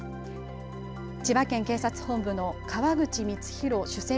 千葉県警察本部の川口光浩首席